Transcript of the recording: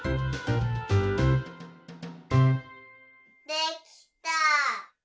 できた！